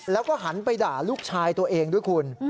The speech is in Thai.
แล้วก็หันไปด่าลูกชายตัวเองด้วยคุณ